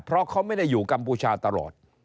เพราะเขาไม่ได้อยู่กัมพูชาตลอด